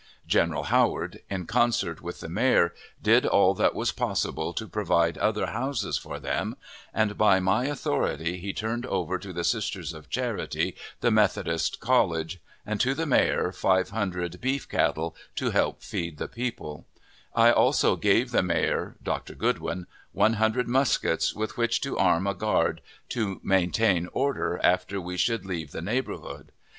General Howard, in concert with the mayor, did all that was possible to provide other houses for them; and by my authority he turned over to the Sisters of Charity the Methodist College, and to the mayor five hundred beef cattle; to help feed the people; I also gave the mayor (Dr. Goodwin) one hundred muskets, with which to arm a guard to maintain order after we should leave the neighborhood.